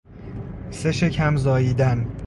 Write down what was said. سه شکم زاییدن